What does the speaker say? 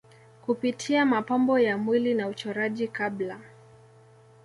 kupitia mapambo ya mwili na uchoraji Kabla